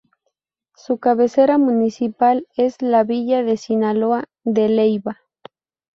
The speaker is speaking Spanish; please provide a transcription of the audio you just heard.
Su cabecera municipal es la Villa de Sinaloa de Leyva.